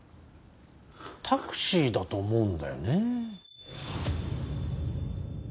タクシーだと思うんだよね。